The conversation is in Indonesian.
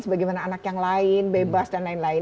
sebagaimana anak yang lain bebas dan lain lain